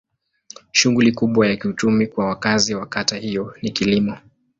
Shughuli kubwa ya kiuchumi kwa wakazi wa kata hiyo ni kilimo.